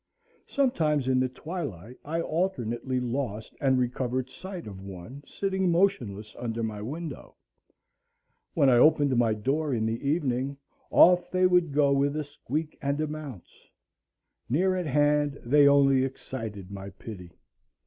Sometimes in the twilight I alternately lost and recovered sight of one sitting motionless under my window. When I opened my door in the evening, off they would go with a squeak and a bounce. Near at hand they only excited my pity.